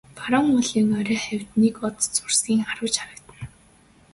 Баруун уулын орой хавьд нэг од зурсхийн харваж харагдана.